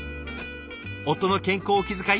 夫の健康を気遣い